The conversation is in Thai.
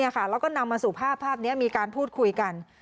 แล้วก็นำมาสู่ภาพภาพนี้มีการพูดคุยกัน